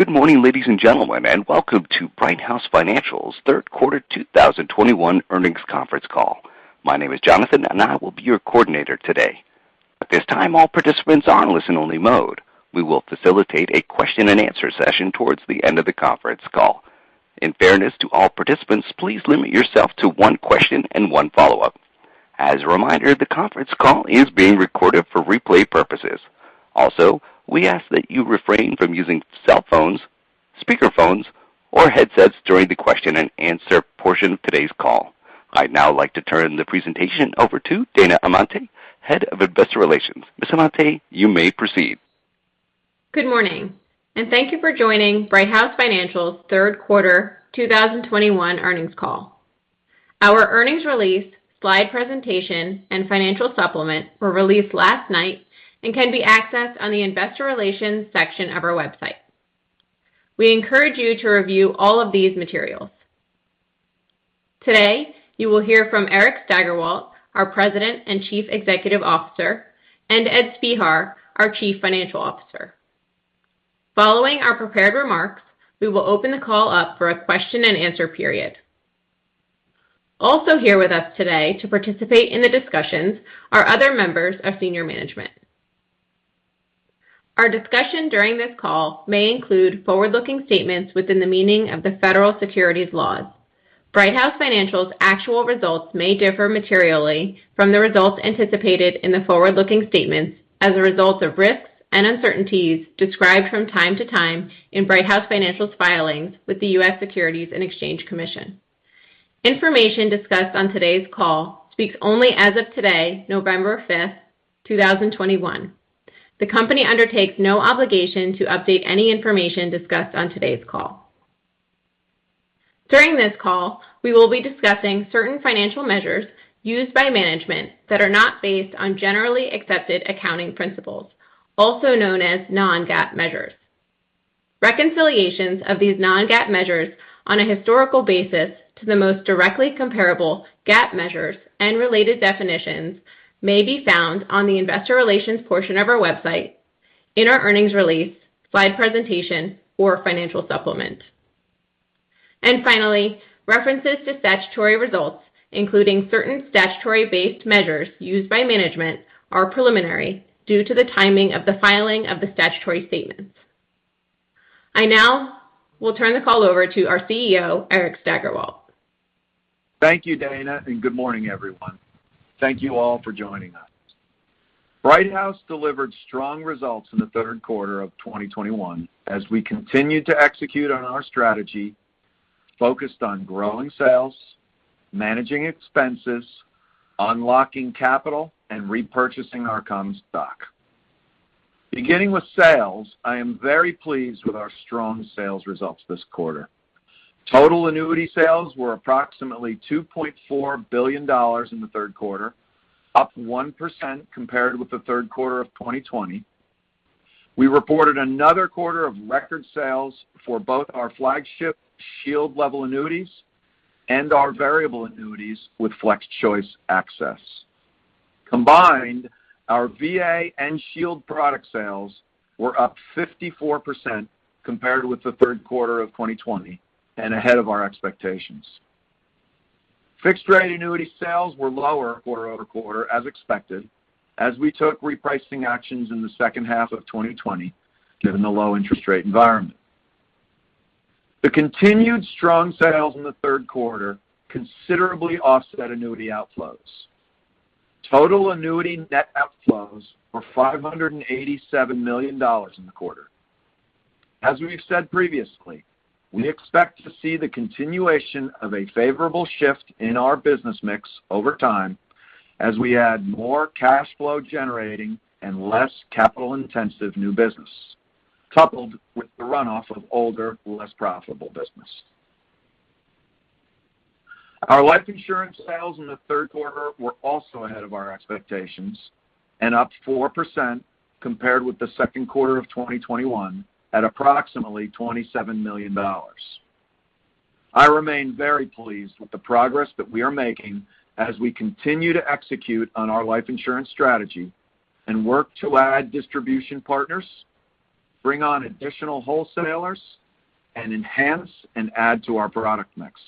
Good morning, ladies and gentlemen, and welcome to Brighthouse Financial's Q3 2021 Earnings Conference Call. My name is Jonathan, and I will be your coordinator today. At this time, all participants are in listen-only mode. We will facilitate a question-and-answer session towards the end of the Conference Call. In fairness to all participants, please limit yourself to one question and one follow-up. As a reminder, the Conference Call is being recorded for replay purposes. Also, we ask that you refrain from using cell phones, speakerphones, or headsets during the question-and-answer portion of today's call. I'd now like to turn the presentation over to Dana Amante, Head of Investor Relations. Ms. Amante, you may proceed. Good morning, and thank you for joining Brighthouse Financial's Q3 2021 Earnings Call. Our earnings release, slide presentation, and financial supplement were released last night and can be accessed on the investor relations section of our website. We encourage you to review all of these materials. Today, you will hear from Eric Steigerwalt, our President and Chief Executive Officer, and Ed Spehar, our Chief Financial Officer. Following our prepared remarks, we will open the call up for a question-and-answer period. Also here with us today to participate in the discussions are other members of senior management. Our discussion during this call may include forward-looking statements within the meaning of the federal securities laws. Brighthouse Financial's actual results may differ materially from the results anticipated in the forward-looking statements as a result of risks and uncertainties described from time to time in Brighthouse Financial's filings with the U.S. Securities and Exchange Commission. Information discussed on today's call speaks only as of today, November 5, 2021. The company undertakes no obligation to update any information discussed on today's call. During this call, we will be discussing certain financial measures used by management that are not based on generally accepted accounting principles, also known as non-GAAP measures. Reconciliations of these non-GAAP measures on a historical basis to the most directly comparable GAAP measures and related definitions may be found on the investor relations portion of our website in our earnings release, slide presentation or financial supplement. Finally, references to statutory results, including certain statutory-based measures used by management, are preliminary due to the timing of the filing of the statutory statements. I now will turn the call over to our CEO, Eric Steigerwalt. Thank you, Dana, and good morning, everyone. Thank you all for joining us. Brighthouse delivered strong results in the Q3 of 2021 as we continued to execute on our strategy focused on growing sales, managing expenses, unlocking capital, and repurchasing our common stock. Beginning with sales, I am very pleased with our strong sales results this quarter. Total annuity sales were approximately $2.4 billion in the Q3, up 1% compared with the Q3 of 2020. We reported another quarter of record sales for both our flagship Shield Level Annuities and our variable annuities with FlexChoice Access. Combined, our VA and Shield product sales were up 54% compared with the Q3 of 2020 and ahead of our expectations. Fixed rate annuity sales were lower quarter-over-quarter as expected as we took repricing actions in the second half of 2020, given the low interest rate environment. The continued strong sales in the Q3 considerably offset annuity outflows. Total annuity net outflows were $587 million in the quarter. As we've said previously, we expect to see the continuation of a favorable shift in our business mix over time as we add more cash flow generating and less capital-intensive new business, coupled with the runoff of older, less profitable business. Our life insurance sales in the Q3 were also ahead of our expectations and up 4% compared with the Q2 of 2021 at approximately $27 million. I remain very pleased with the progress that we are making as we continue to execute on our life insurance strategy and work to add distribution partners, bring on additional wholesalers, and enhance and add to our product mix.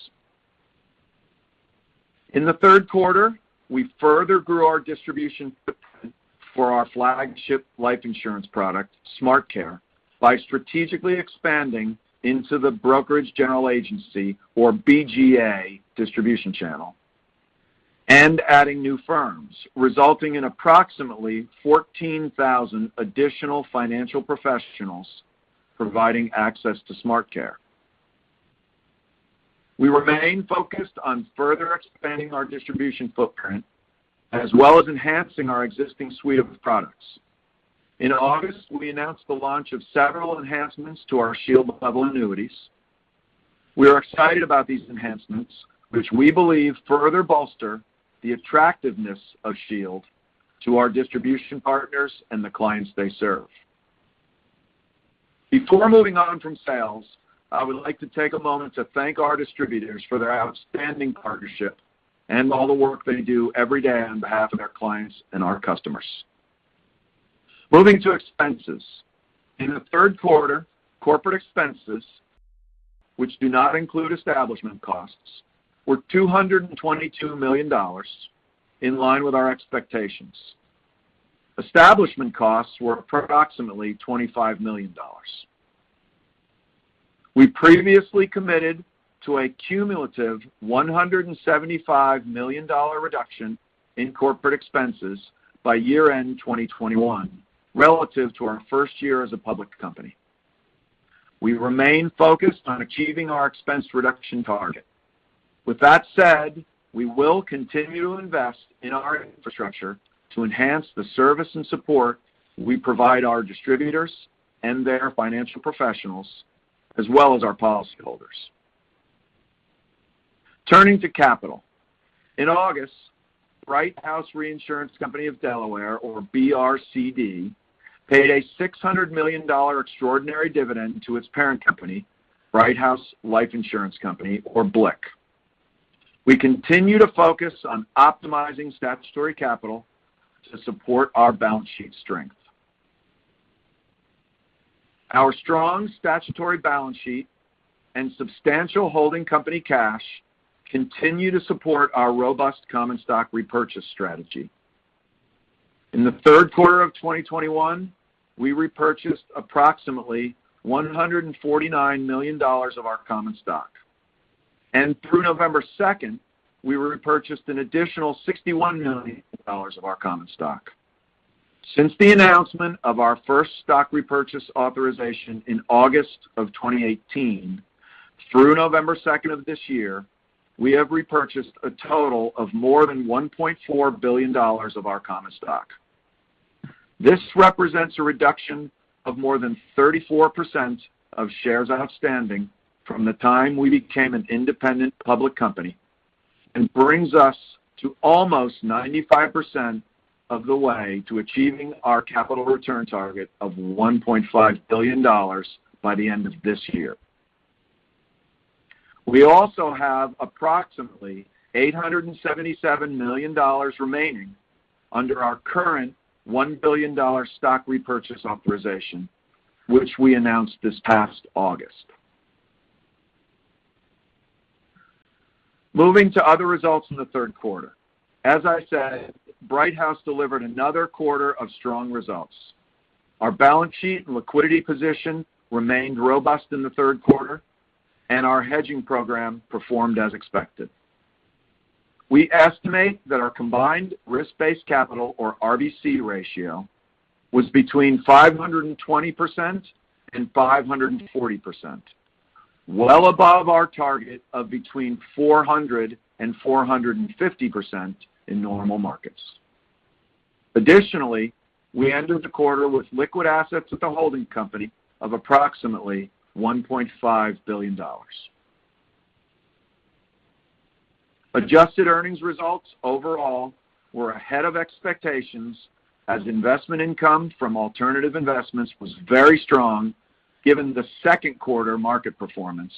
In the Q3, we further grew our distribution footprint for our flagship life insurance product, SmartCare, by strategically expanding into the brokerage general agency or BGA distribution channel and adding new firms, resulting in approximately 14,000 additional financial professionals providing access to SmartCare. We remain focused on further expanding our distribution footprint, as well as enhancing our existing suite of products. In August, we announced the launch of several enhancements to our Shield Level Annuities. We are excited about these enhancements, which we believe further bolster the attractiveness of Shield to our distribution partners and the clients they serve. Before moving on from sales, I would like to take a moment to thank our distributors for their outstanding partnership and all the work they do every day on behalf of their clients and our customers. Moving to expenses. In the Q3, corporate expenses, which do not include establishment costs, were $222 million, in line with our expectations. Establishment costs were approximately $25 million. We previously committed to a cumulative $175 million reduction in corporate expenses by year-end 2021 relative to our first year as a public company. We remain focused on achieving our expense reduction target. With that said, we will continue to invest in our infrastructure to enhance the service and support we provide our distributors and their financial professionals as well as our policyholders. Turning to capital. In August, Brighthouse Reinsurance Company of Delaware, or BRCD, paid a $600 million extraordinary dividend to its parent company, Brighthouse Life Insurance Company, or BLIC. We continue to focus on optimizing statutory capital to support our balance sheet strength. Our strong statutory balance sheet and substantial holding company cash continue to support our robust common stock repurchase strategy. In the Q3 of 2021, we repurchased approximately $149 million of our common stock, and through November 2, we repurchased an additional $61 million of our common stock. Since the announcement of our first stock repurchase authorization in August 2018, through November 2 of this year, we have repurchased a total of more than $1.4 billion of our common stock. This represents a reduction of more than 34% of shares outstanding from the time we became an independent public company and brings us to almost 95% of the way to achieving our capital return target of $1.5 billion by the end of this year. We also have approximately $877 million remaining under our current $1 billion stock repurchase authorization, which we announced this past August. Moving to other results in the Q3. As I said, Brighthouse delivered another quarter of strong results. Our balance sheet and liquidity position remained robust in the Q3, and our hedging program performed as expected. We estimate that our combined risk-based capital or RBC ratio was between 520% and 540%, well above our target of between 400% and 450% in normal markets. Additionally, we ended the quarter with liquid assets at the holding company of approximately $1.5 billion. Adjusted earnings results overall were ahead of expectations as investment income from alternative investments was very strong given the Q2 market performance,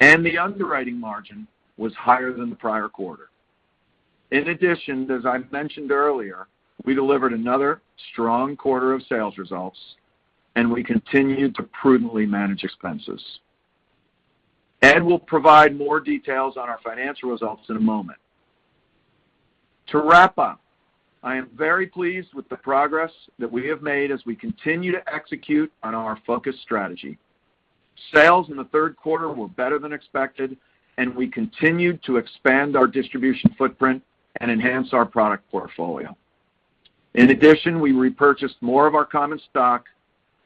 and the underwriting margin was higher than the prior quarter. In addition, as I mentioned earlier, we delivered another strong quarter of sales results, and we continued to prudently manage expenses. Ed will provide more details on our financial results in a moment. To wrap up, I am very pleased with the progress that we have made as we continue to execute on our focus strategy. Sales in the Q3 were better than expected, and we continued to expand our distribution footprint and enhance our product portfolio. In addition, we repurchased more of our common stock,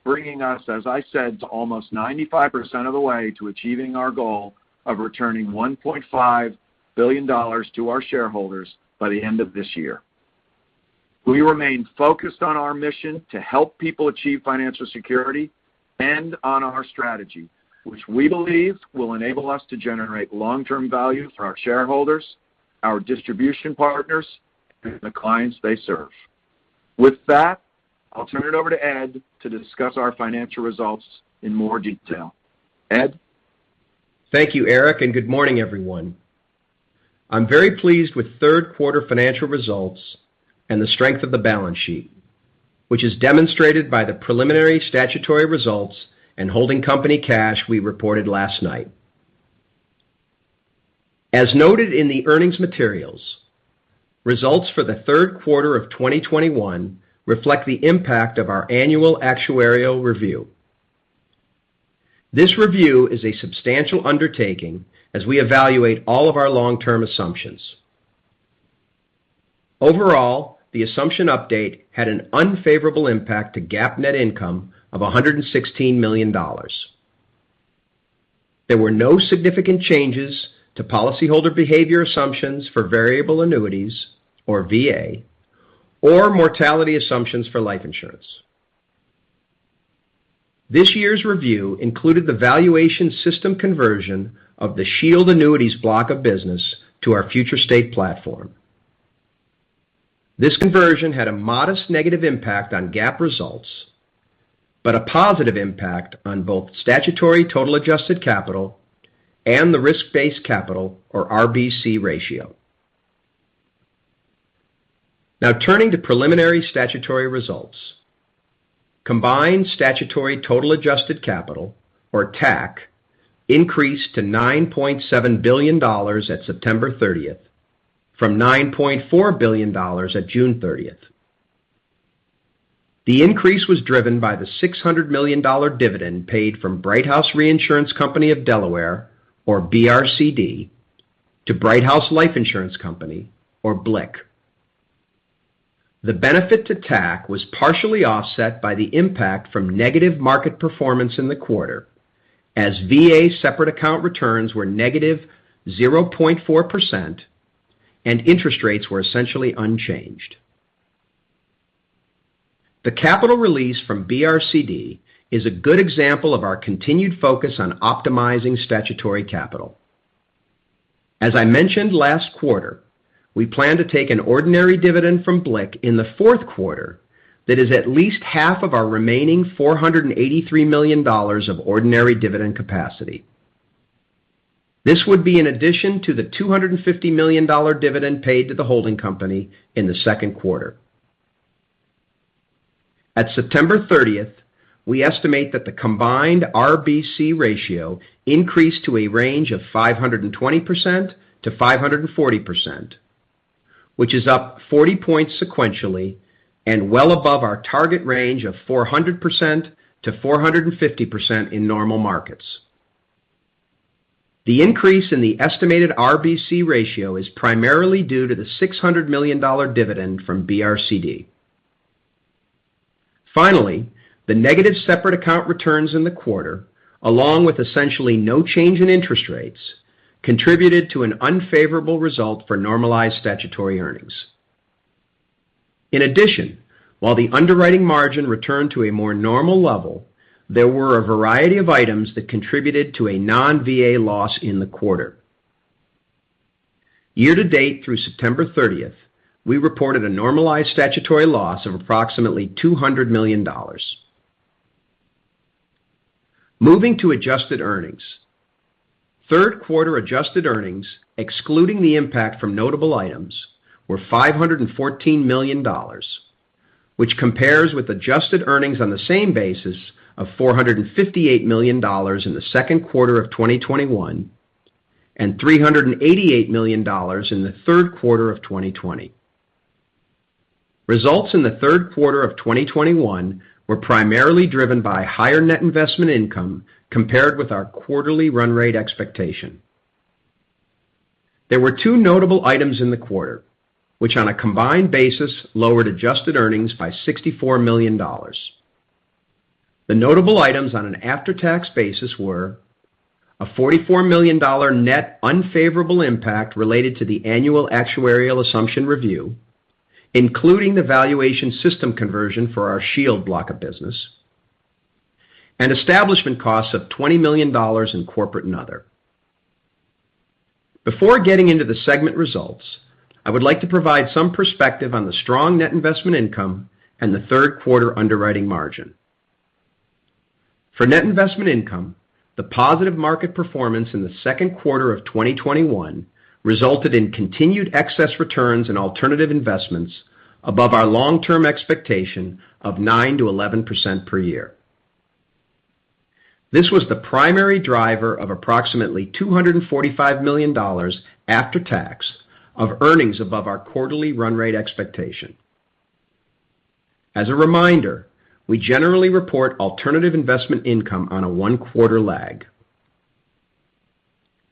bringing us, as I said, to almost 95% of the way to achieving our goal of returning $1.5 billion to our shareholders by the end of this year. We remain focused on our mission to help people achieve financial security and on our strategy, which we believe will enable us to generate long-term value for our shareholders, our distribution partners, and the clients they serve. With that, I'll turn it over to Ed to discuss our financial results in more detail. Ed? Thank you, Eric, and good morning, everyone. I'm very pleased with Q3 financial results and the strength of the balance sheet, which is demonstrated by the preliminary statutory results and holding company cash we reported last night. As noted in the earnings materials, results for the Q3 of 2021 reflect the impact of our annual actuarial review. This review is a substantial undertaking as we evaluate all of our long-term assumptions. Overall, the assumption update had an unfavorable impact to GAAP net income of $116 million. There were no significant changes to policyholder behavior assumptions for variable annuities or VA or mortality assumptions for life insurance. This year's review included the valuation system conversion of the Shield Annuities block of business to our future state platform. This conversion had a modest negative impact on GAAP results, but a positive impact on both statutory total adjusted capital and the risk-based capital, or RBC ratio. Now turning to preliminary statutory results. Combined statutory total adjusted capital, or TAC, increased to $9.7 billion at September 30 from $9.4 billion at June 30. The increase was driven by the $600 million dividend paid from Brighthouse Reinsurance Company of Delaware, or BRCD, to Brighthouse Life Insurance Company, or BLIC. The benefit to TAC was partially offset by the impact from negative market performance in the quarter as VA separate account returns were -0.4% and interest rates were essentially unchanged. The capital release from BRCD is a good example of our continued focus on optimizing statutory capital. As I mentioned last quarter, we plan to take an ordinary dividend from BLIC in the Q4 that is at least half of our remaining $483 million of ordinary dividend capacity. This would be in addition to the $250 million dividend paid to the holding company in the Q2. At September 30, we estimate that the combined RBC ratio increased to a range of 520%-540%, which is up 40 points sequentially and well above our target range of 400%-450% in normal markets. The increase in the estimated RBC ratio is primarily due to the $600 million dividend from BRCD. Finally, the negative separate account returns in the quarter, along with essentially no change in interest rates, contributed to an unfavorable result for normalized statutory earnings. In addition, while the underwriting margin returned to a more normal level, there were a variety of items that contributed to a non-VA loss in the quarter. Year-to-date through September 30th, we reported a normalized statutory loss of approximately $200 million. Moving to adjusted earnings. Q3 adjusted earnings, excluding the impact from notable items, were $514 million, which compares with adjusted earnings on the same basis of $458 million in the Q2 of 2021, and $388 million in the Q3 of 2020. Results in the Q3 of 2021 were primarily driven by higher net investment income compared with our quarterly run rate expectation. There were two notable items in the quarter, which on a combined basis lowered adjusted earnings by $64 million. The notable items on an after-tax basis were a $44 million net unfavorable impact related to the annual actuarial assumption review, including the valuation system conversion for our Shield block of business, and establishment costs of $20 million in corporate and other. Before getting into the segment results, I would like to provide some perspective on the strong net investment income and the Q3 underwriting margin. For net investment income, the positive market performance in the Q2 of 2021 resulted in continued excess returns in alternative investments above our long-term expectation of 9%-11% per year. This was the primary driver of approximately $245 million after tax of earnings above our quarterly run rate expectation. As a reminder, we generally report alternative investment income on a 1-quarter lag.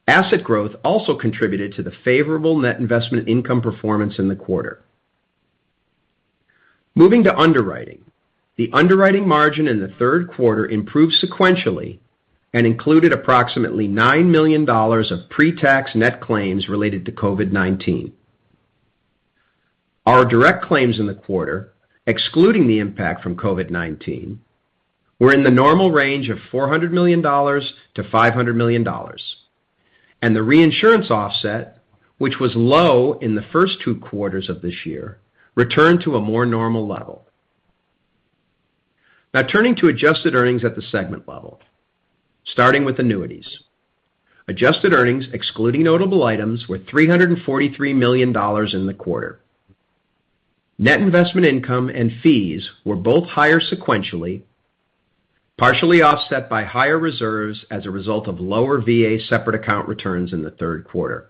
Asset growth also contributed to the favorable net investment income performance in the quarter. Moving to underwriting. The underwriting margin in the Q3 improved sequentially and included approximately $9 million of pre-tax net claims related to COVID-19. Our direct claims in the quarter, excluding the impact from COVID-19, were in the normal range of $400 million-$500 million, and the reinsurance offset, which was low in the first two quarters of this year, returned to a more normal level. Now turning to adjusted earnings at the segment level, starting with annuities. Adjusted earnings, excluding notable items, were $343 million in the quarter. Net investment income and fees were both higher sequentially, partially offset by higher reserves as a result of lower VA separate account returns in the Q3.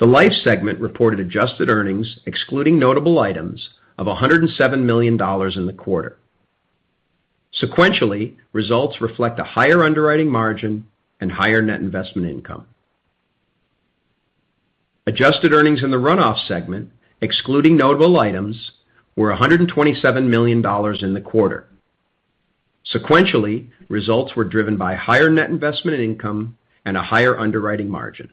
The life segment reported adjusted earnings, excluding notable items, of $107 million in the quarter. Sequentially, results reflect a higher underwriting margin and higher net investment income. Adjusted earnings in the run-off segment, excluding notable items, were $127 million in the quarter. Sequentially, results were driven by higher net investment income and a higher underwriting margin.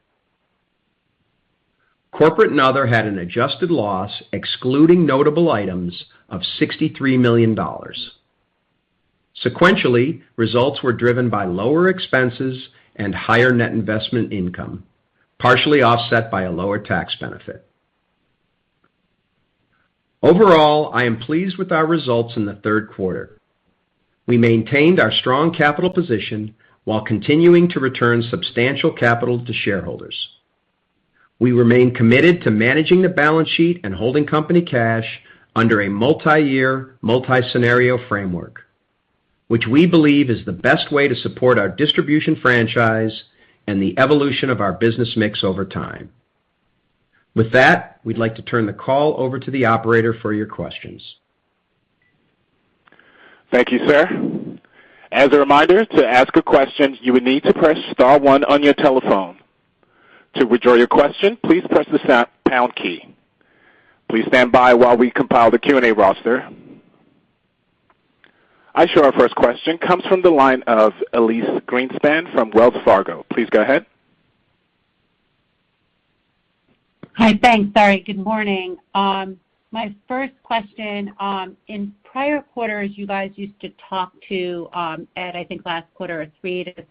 Corporate and other had an adjusted loss, excluding notable items, of $63 million. Sequentially, results were driven by lower expenses and higher net investment income, partially offset by a lower tax benefit. Overall, I am pleased with our results in the Q3. We maintained our strong capital position while continuing to return substantial capital to shareholders. We remain committed to managing the balance sheet and holding company cash under a multi-year, multi-scenario framework, which we believe is the best way to support our distribution franchise and the evolution of our business mix over time. With that, we'd like to turn the call over to the operator for your questions. Thank you, sir. As a reminder, to ask a question, you would need to press star one on your telephone. To withdraw your question, please press the star-pound key. Please stand by while we compile the Q&A roster. I show our first question comes from the line of Elyse Greenspan from Wells Fargo. Please go ahead. Hi. Thanks, sorry. Good morning. My first question, in prior quarters, you guys used to talk to Ed, I think last quarter, a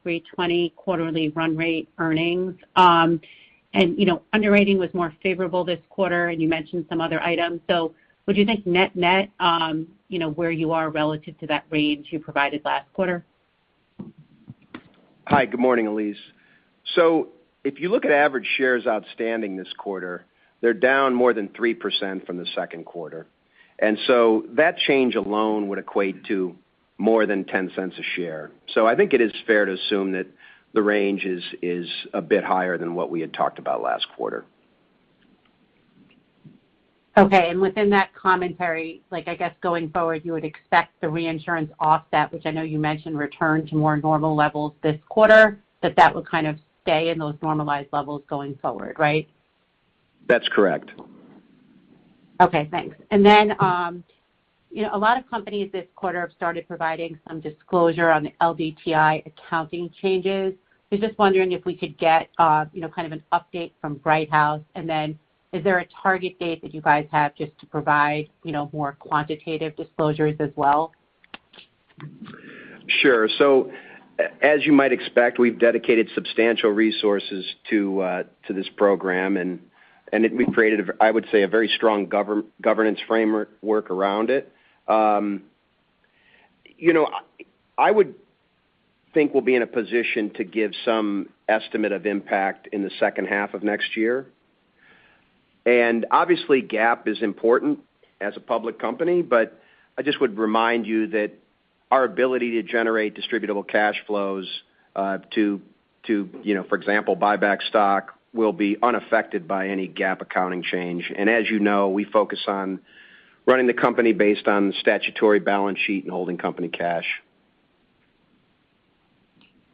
$300-$320 quarterly run rate earnings. You know, underwriting was more favorable this quarter, and you mentioned some other items. Would you think net-net, you know, where you are relative to that range you provided last quarter? Hi, good morning, Elyse. If you look at average shares outstanding this quarter, they're down more than 3% from the Q2. That change alone would equate to more than $0.10 a share. I think it is fair to assume that the range is a bit higher than what we had talked about last quarter. Okay. Within that commentary, like I guess going forward, you would expect the reinsurance offset, which I know you mentioned return to more normal levels this quarter, that would kind of stay in those normalized levels going forward, right? That's correct. Okay, thanks. You know, a lot of companies this quarter have started providing some disclosure on the LDTI accounting changes. I was just wondering if we could get, you know, kind of an update from Brighthouse. Is there a target date that you guys have just to provide, you know, more quantitative disclosures as well? Sure. As you might expect, we've dedicated substantial resources to this program, and we've created a very strong governance framework around it. You know, I would think we'll be in a position to give some estimate of impact in the second half of next year. Obviously, GAAP is important as a public company, but I just would remind you that our ability to generate distributable cash flows to you know, for example, buy back stock will be unaffected by any GAAP accounting change. As you know, we focus on running the company based on statutory balance sheet and holding company cash.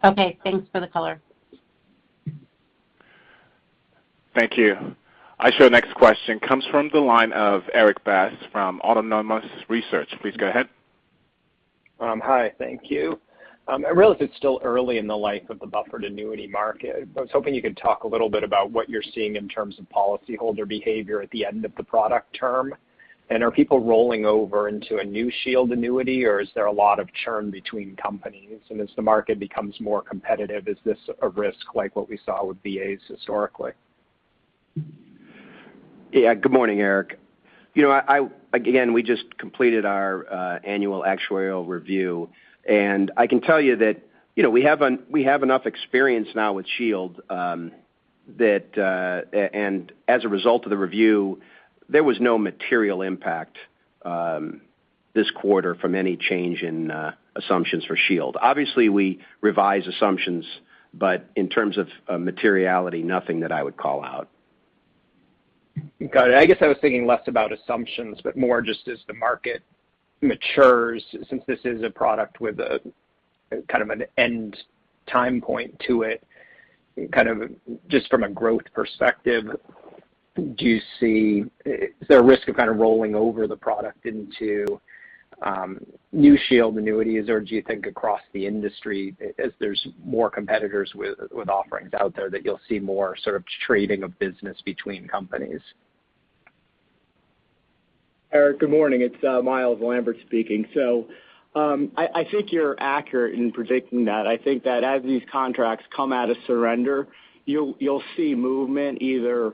Okay, thanks for the color. Thank you. Our next question comes from the line of Erik Bass from Autonomous Research. Please go ahead. I realize it's still early in the life of the buffered annuity market. I was hoping you could talk a little bit about what you're seeing in terms of policyholder behavior at the end of the product term. Are people rolling over into a new Shield annuity, or is there a lot of churn between companies? As the market becomes more competitive, is this a risk like what we saw with BAs historically? Yeah. Good morning, Eric. You know, again, we just completed our annual actuarial review, and I can tell you that, you know, we have enough experience now with Shield, that and as a result of the review, there was no material impact this quarter from any change in assumptions for Shield. Obviously, we revise assumptions, but in terms of materiality, nothing that I would call out. Got it. I guess I was thinking less about assumptions, but more just as the market matures, since this is a product with a kind of an end time point to it, kind of just from a growth perspective, do you see, is there a risk of kind of rolling over the product into new Shield annuities? Or do you think across the industry as there's more competitors with offerings out there that you'll see more sort of trading of business between companies? Eric, good morning. It's Myles Lambert speaking. I think you're accurate in predicting that. I think that as these contracts come out of surrender, you'll see movement either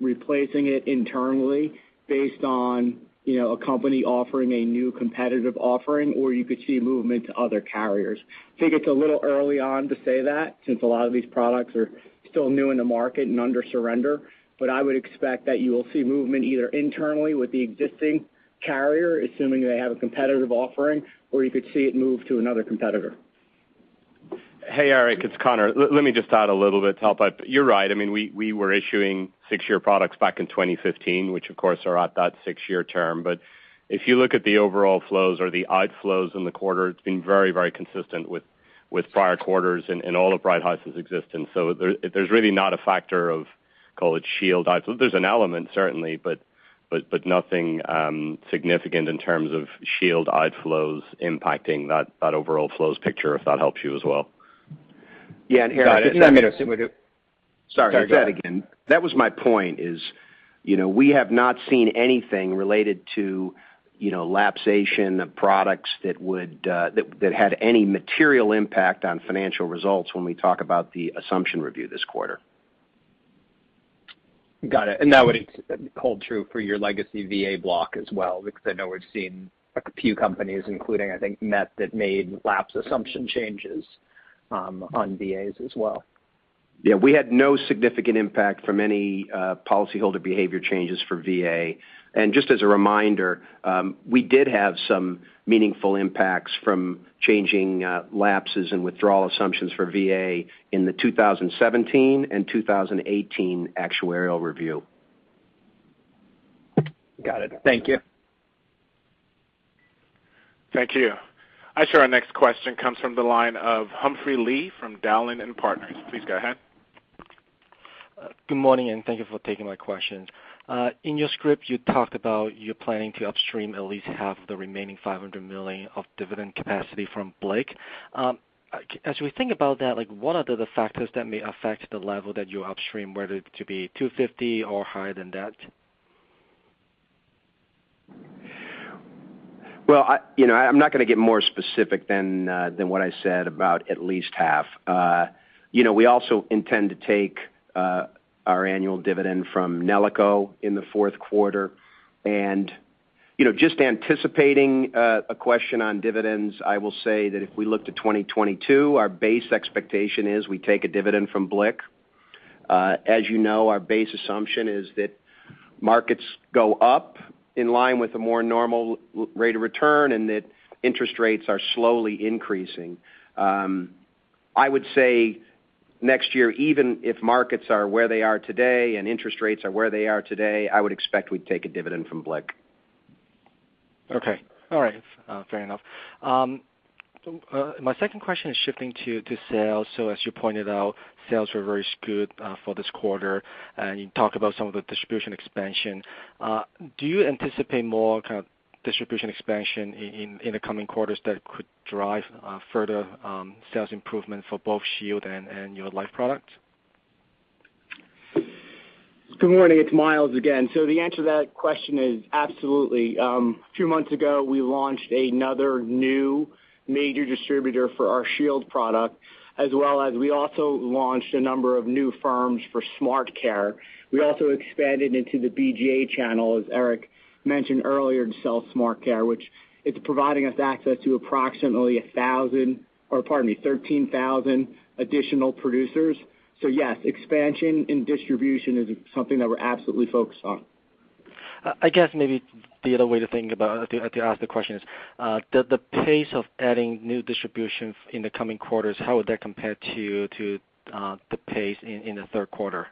replacing it internally based on, you know, a company offering a new competitive offering, or you could see movement to other carriers. I think it's a little early on to say that since a lot of these products are still new in the market and under surrender. I would expect that you will see movement either internally with the existing carrier, assuming they have a competitive offering, or you could see it move to another competitor. Hey, Eric, it's Conor. Let me just add a little bit to help out. You're right. I mean, we were issuing six-year products back in 2015, which of course are at that six-year term. If you look at the overall flows or the outflows in the quarter, it's been very consistent with prior quarters in all of Brighthouse's existence. There, there's really not a factor of, call it Shield outflow. There's an element, certainly, but nothing significant in terms of Shield outflows impacting that overall flows picture if that helps you as well. Yeah. Eric, if you want me to- Sorry, try that again. That was my point is, you know, we have not seen anything related to, you know, lapsation of products that had any material impact on financial results when we talk about the assumption review this quarter. Got it. That would hold true for your legacy VA block as well, because I know we've seen a few companies, including, I think, MetLife that made lapse assumption changes on VAs as well. Yeah. We had no significant impact from any policyholder behavior changes for VA. Just as a reminder, we did have some meaningful impacts from changing lapses and withdrawal assumptions for VA in the 2017 and 2018 actuarial review. Got it. Thank you. Thank you. Our next question comes from the line of Humphrey Lee from Dowling & Partners. Please go ahead. Good morning, and thank you for taking my questions. In your script, you talked about you're planning to upstream at least half the remaining $500 million of dividend capacity from BLIC. As we think about that, like, what are the factors that may affect the level that you upstream, whether to be $250 or higher than that? Well, you know, I'm not gonna get more specific than what I said about at least half. You know, we also intend to take our annual dividend from NELICO in the Q4. You know, just anticipating a question on dividends, I will say that if we look to 2022, our base expectation is we take a dividend from BLIC. As you know, our base assumption is that markets go up in line with a more normal long-term rate of return, and that interest rates are slowly increasing. I would say next year, even if markets are where they are today and interest rates are where they are today, I would expect we'd take a dividend from BLIC. Okay. All right. Fair enough. My second question is shifting to sales. As you pointed out, sales were very good for this quarter, and you talked about some of the distribution expansion. Do you anticipate more kind of distribution expansion in the coming quarters that could drive further sales improvement for both Shield and your life product? Good morning. It's Myles again. The answer to that question is absolutely. A few months ago, we launched another new major distributor for our Shield product, as well as we also launched a number of new firms for SmartCare. We also expanded into the BGA channel, as Eric mentioned earlier, to sell SmartCare, which it's providing us access to approximately 13,000 additional producers. Yes, expansion in distribution is something that we're absolutely focused on. I guess maybe the other way to think about it, to ask the question is, the pace of adding new distribution in the coming quarters, how would that compare to the pace in the Q3?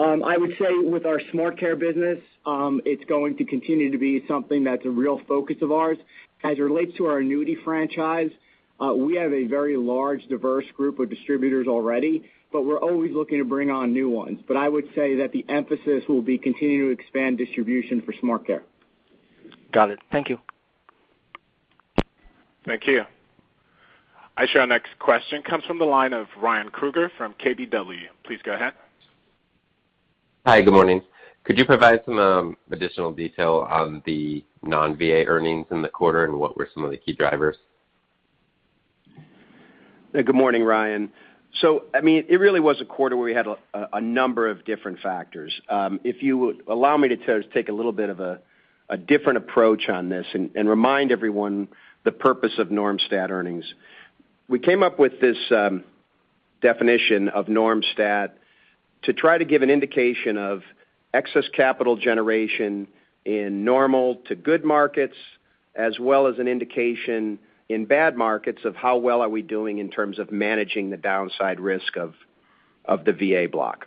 I would say with our SmartCare business, it's going to continue to be something that's a real focus of ours. As it relates to our annuity franchise, we have a very large, diverse group of distributors already, but we're always looking to bring on new ones. I would say that the emphasis will be continuing to expand distribution for SmartCare. Got it. Thank you. Thank you. I show our next question comes from the line of Ryan Krueger from KBW. Please go ahead. Hi. Good morning. Could you provide some additional detail on the non-VA earnings in the quarter and what were some of the key drivers? Good morning, Ryan. I mean, it really was a quarter where we had a number of different factors. If you would allow me to just take a little bit of a different approach on this and remind everyone the purpose of normalized stat earnings. We came up with this definition of normalized stat to try to give an indication of excess capital generation in normal to good markets, as well as an indication in bad markets of how well are we doing in terms of managing the downside risk of the VA block.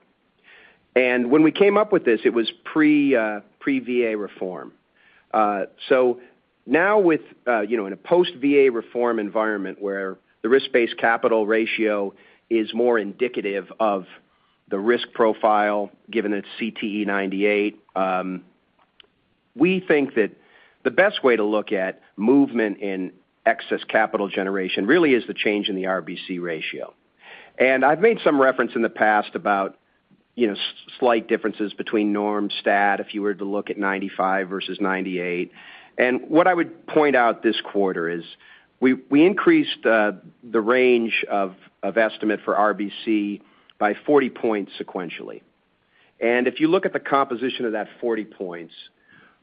When we came up with this, it was pre VA reform. Now with, you know, in a post-VA reform environment where the risk-based capital ratio is more indicative of the risk profile given its CTE 98, we think that the best way to look at movement in excess capital generation really is the change in the RBC ratio. I've made some reference in the past about, you know, slight differences between normalized stat if you were to look at 95 versus 98. What I would point out this quarter is we increased the range of estimate for RBC by 40 points sequentially. If you look at the composition of that 40 points,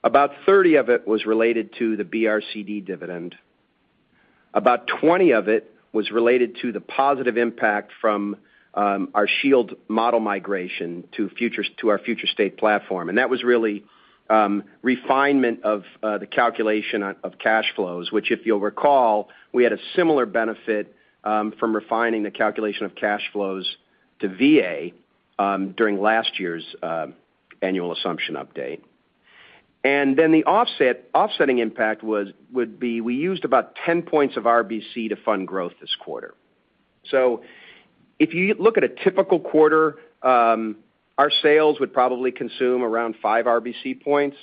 about 30 of it was related to the BRCD dividend. About 20 of it was related to the positive impact from our Shield model migration to our future state platform. That was really refinement of the calculation of cash flows, which if you'll recall, we had a similar benefit from refining the calculation of cash flows to VA during last year's annual assumption update. The offsetting impact would be, we used about 10 points of RBC to fund growth this quarter. If you look at a typical quarter, our sales would probably consume around 5 RBC points.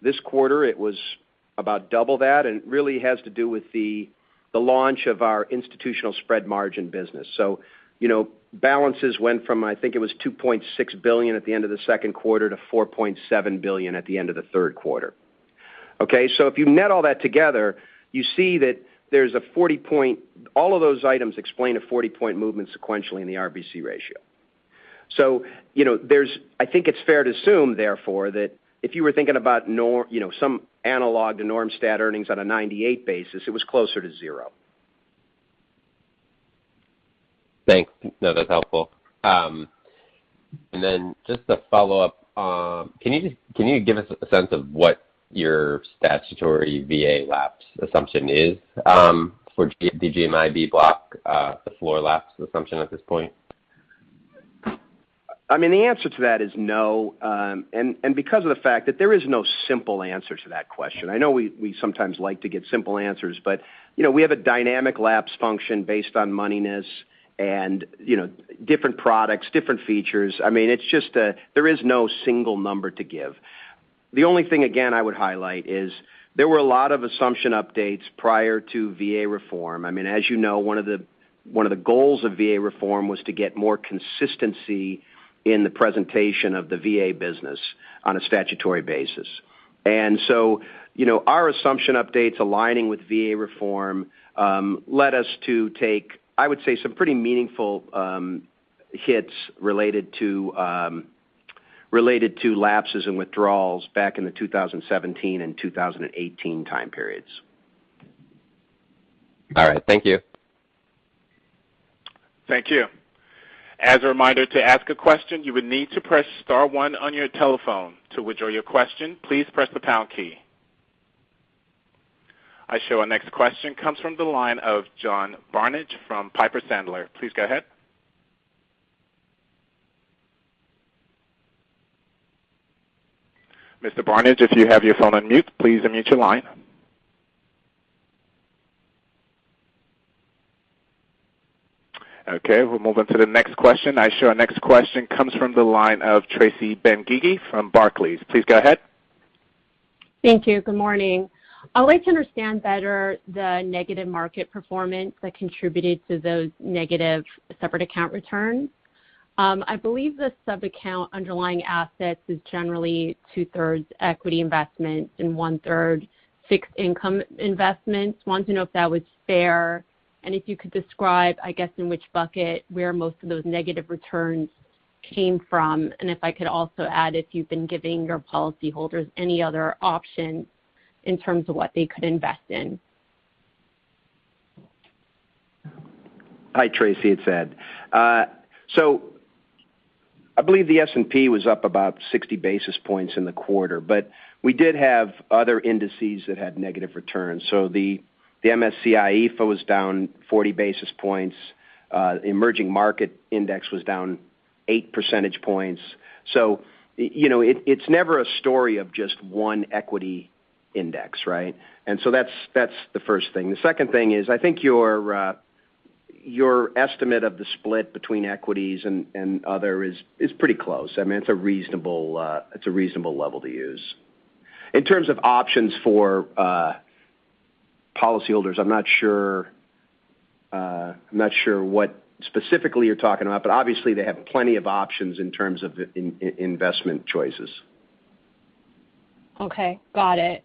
This quarter, it was about double that, and it really has to do with the launch of our institutional spread margin business. You know, balances went from, I think it was $2.6 billion at the end of the Q2 to $4.7 billion at the end of the Q3. Okay, if you net all that together, you see that there's a 40 point... All of those items explain a 40-point movement sequentially in the RBC ratio. You know, there's, I think, it's fair to assume, therefore, that if you were thinking about, you know, some analog to normalized stat earnings on a 98 basis, it was closer to zero. Thanks. No, that's helpful. Just a follow-up. Can you give us a sense of what your statutory VA lapse assumption is, for the GMIB block, the floor lapse assumption at this point? I mean, the answer to that is no. Because of the fact that there is no simple answer to that question. I know we sometimes like to get simple answers, but you know, we have a dynamic lapse function based on moneyness and, you know, different products, different features. I mean, it's just there is no single number to give. The only thing, again, I would highlight is there were a lot of assumption updates prior to VA reform. I mean, as you know, one of the goals of VA reform was to get more consistency in the presentation of the VA business on a statutory basis. You know, our assumption updates aligning with VA reform led us to take, I would say, some pretty meaningful hits related to lapses and withdrawals back in the 2017 and 2018 time periods. All right. Thank you. Thank you. As a reminder to ask a question, you would need to press star one on your telephone. To withdraw your question, please press the pound key. I show our next question comes from the line of John Barnidge from Piper Sandler. Please go ahead. Mr. Barnidge, if you have your phone on mute, please unmute your line. Okay, we'll move on to the next question. I show our next question comes from the line of Tracy Benguigui from Barclays. Please go ahead. Thank you. Good morning. I'd like to understand better the negative market performance that contributed to those negative separate account returns. I believe the sub-account underlying assets is generally two-thirds equity investment and one-third fixed income investments. I want to know if that was fair, and if you could describe, I guess, in which bucket were most of those negative returns came from, and if I could also add if you've been giving your policyholders any other options in terms of what they could invest in. Hi, Tracy. It's Ed. I believe the S&P was up about 60 basis points in the quarter, but we did have other indices that had negative returns. The MSCI EAFE was down 40 basis points. Emerging market index was down 8 percentage points. You know, it's never a story of just one equity index, right? That's the first thing. The second thing is, I think your estimate of the split between equities and other is pretty close. I mean, it's a reasonable level to use. In terms of options for policyholders, I'm not sure what specifically you're talking about, but obviously they have plenty of options in terms of investment choices. Okay. Got it.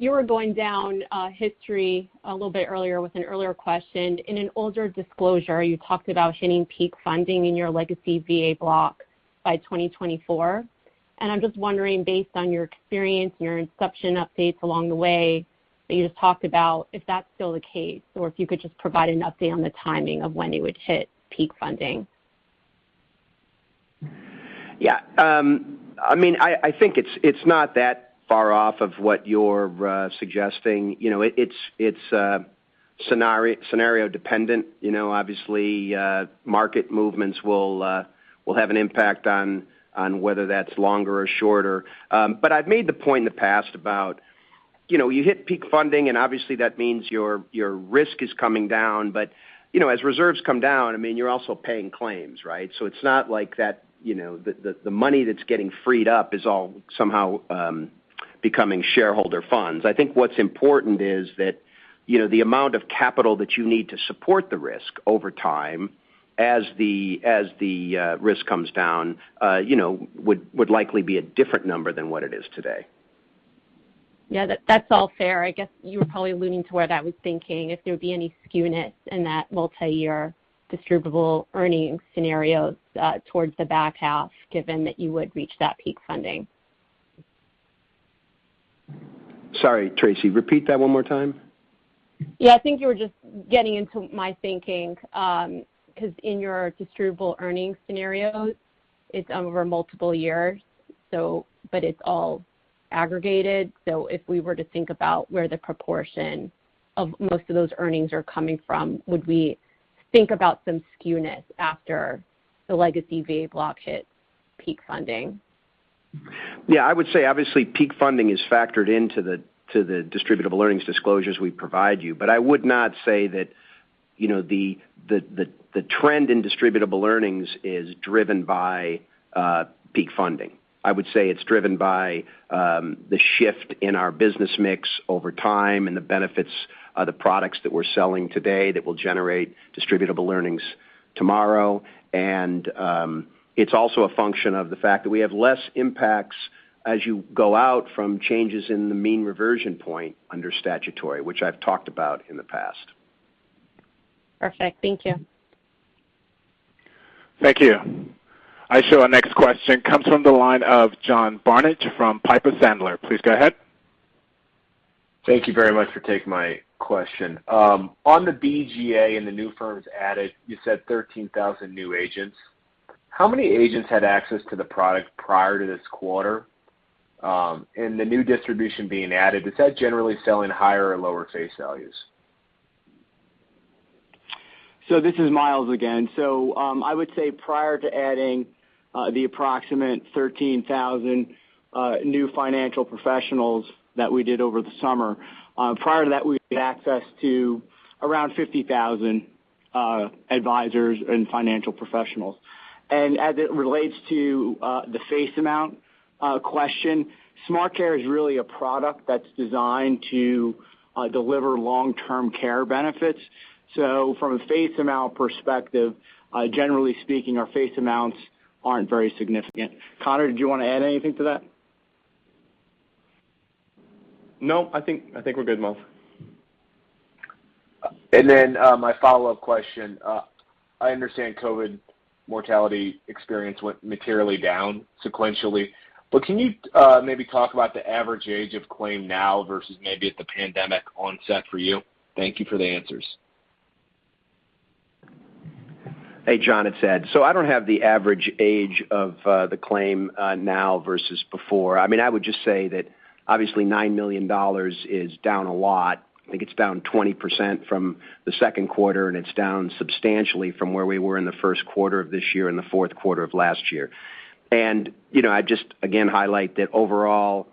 You were going down history a little bit earlier with an earlier question. In an older disclosure, you talked about hitting peak funding in your legacy VA block by 2024. I'm just wondering, based on your experience and your inception updates along the way that you just talked about, if that's still the case, or if you could just provide an update on the timing of when you would hit peak funding. Yeah. I mean, I think it's not that far off of what you're suggesting. You know, it's scenario dependent. You know, obviously, market movements will have an impact on whether that's longer or shorter. I've made the point in the past about, you know, you hit peak funding, and obviously that means your risk is coming down. You know, as reserves come down, I mean, you're also paying claims, right? It's not like that, you know, the money that's getting freed up is all somehow becoming shareholder funds. I think what's important is that, you know, the amount of capital that you need to support the risk over time as the risk comes down, you know, would likely be a different number than what it is today. Yeah. That's all fair. I guess you were probably alluding to whether that was the thinking if there would be any skewness in that multi-year distributable earnings scenarios, towards the back half, given that you would reach that peak funding. Sorry, Tracy. Repeat that one more time. Yeah. I think you were just getting into my thinking, 'cause in your distributable earnings scenarios, it's over multiple years. It's all aggregated. If we were to think about where the proportion of most of those earnings are coming from, would we think about some skewness after the legacy VA block hit peak funding? Yeah, I would say obviously peak funding is factored into the distributable earnings disclosures we provide you. But I would not say that, you know, the trend in distributable earnings is driven by peak funding. I would say it's driven by the shift in our business mix over time and the benefits of the products that we're selling today that will generate distributable earnings tomorrow. It's also a function of the fact that we have less impacts as you go out from changes in the mean reversion point under statutory, which I've talked about in the past. Perfect. Thank you. Thank you. I show our next question comes from the line of John Barnidge from Piper Sandler. Please go ahead. Thank you very much for taking my question. On the BGA and the new firms added, you said 13,000 new agents. How many agents had access to the product prior to this quarter? The new distribution being added, is that generally selling higher or lower face values? This is Myles again. I would say prior to adding the approximate 13,000 new financial professionals that we did over the summer, prior to that, we had access to around 50,000 advisors and financial professionals. As it relates to the face amount question, SmartCare is really a product that's designed to deliver long-term care benefits. From a face amount perspective, generally speaking, our face amounts aren't very significant. Conor, did you want to add anything to that? No, I think we're good, Myles. My follow-up question. I understand COVID mortality experience went materially down sequentially, but can you maybe talk about the average age of claim now versus maybe at the pandemic onset for you? Thank you for the answers. Hey, John, it's Ed. I don't have the average age of the claim now versus before. I mean, I would just say that obviously $9 million is down a lot. I think it's down 20% from the Q2, and it's down substantially from where we were in the Q1 of this year and the Q4 of last year. You know, I'd just again highlight that overall,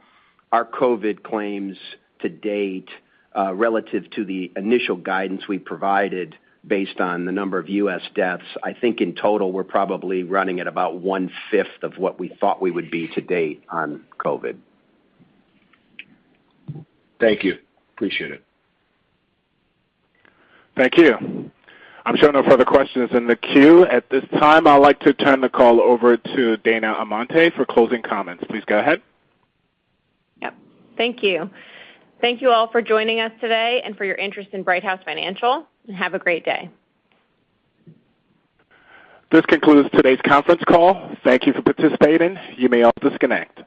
our COVID claims to date relative to the initial guidance we provided based on the number of U.S. deaths, I think in total, we're probably running at about one-fifth of what we thought we would be to date on COVID. Thank you. Appreciate it. Thank you. I'm showing no further questions in the queue. At this time, I'd like to turn the call over to Dana Amante for closing comments. Please go ahead. Yep. Thank you. Thank you all for joining us today and for your interest in Brighthouse Financial, and have a great day. This concludes today's Conference Call. Thank you for participating. You may all disconnect.